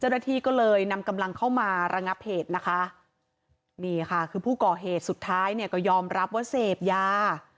เจ้าหน้าที่ก็เลยนำกำลังเข้ามาระงับเหตุนะคะนี่ค่ะคือผู้ก่อเหตุสุดท้ายเนี่ยก็ยอมรับว่าเสพยา